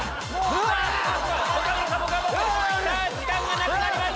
時間がなくなります！